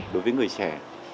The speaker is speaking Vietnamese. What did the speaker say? đối với người trẻ